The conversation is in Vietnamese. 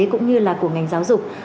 cũng như là của ngành giáo dục